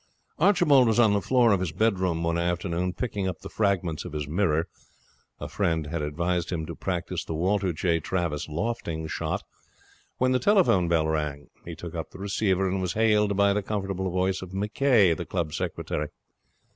Archibald was on the floor of his bedroom one afternoon, picking up the fragments of his mirror a friend had advised him to practise the Walter J. Travis lofting shot when the telephone bell rang. He took up the receiver, and was hailed by the comfortable voice of McCay, the club secretary.